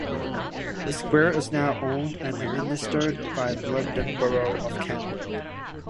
The square is now owned and administered by the London Borough of Camden.